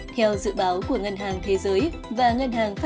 theo dự báo của ngân hàng thế giới và ngân hàng thế giới